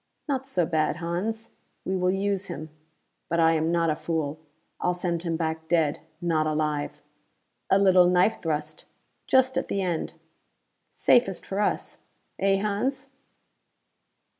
"Not so bad, Hans? We will use him but I am not a fool. I'll send him back dead, not alive! A little knife thrust, just at the end! Safest for us, eh, Hans?"